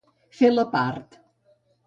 Fer la part.